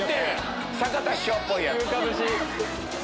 坂田師匠っぽいやつ。